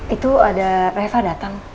itu ada reva datang